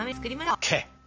ＯＫ！